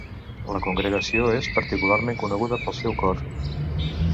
La congregació és particularment coneguda pel seu cor.